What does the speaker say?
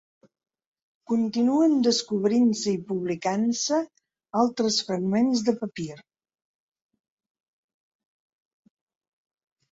Continuen descobrint-se i publicant-se altres fragments de papir.